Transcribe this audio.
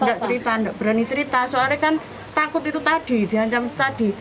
tidak cerita tidak berani cerita soalnya kan takut itu tadi diancam tadi